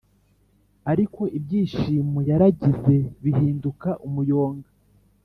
ariko ibyishimo yaragize bihinduka umuyonga